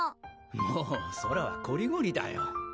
もう空はこりごりだよ